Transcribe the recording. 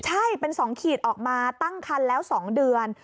ใช่เป็น๒ขีดออกมาตั้งคันแล้ว๒เดือน